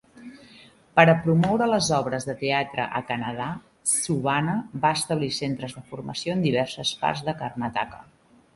Per a promoure les obres de teatre a Kannada, Subbanna va establir centres de formació en diverses parts de Karnataka